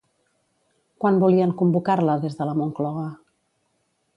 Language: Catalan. Quan volien convocar-la des de la Moncloa?